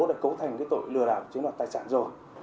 để cấu thành tội lừa đảo chứng mặt tài sản rồi